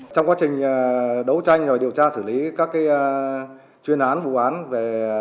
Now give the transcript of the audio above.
trong quá trình đấu tranh điều tra xử lý các chuyên án vụ án về